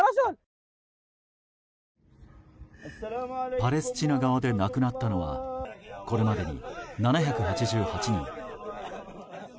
パレスチナ側で亡くなったのはこれまでに７８８人。